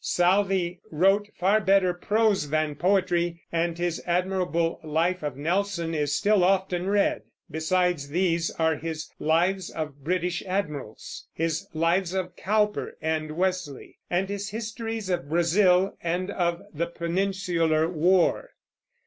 Southey wrote far better prose than poetry, and his admirable Life of Nelson is still often read. Besides these are his Lives of British Admirals, his lives of Cowper and Wesley, and his histories of Brazil and of the Peninsular War.